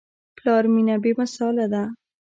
د پلار مینه بېمثاله ده.